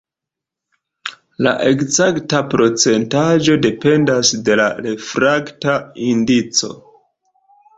La ekzakta procentaĵo dependas de la refrakta indico.